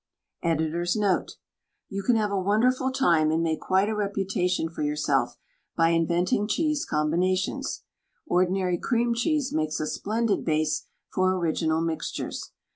Editor's Note :— ^You can have a wonderful time and make quite a reputation for yourself by inventing cheese combi nations. Ordinary cream cheese makes a splendid base for original mixtures.